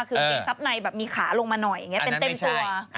คือกางเกงซับในแบบมีขาลงมาหน่อยเป็นเต็มตัว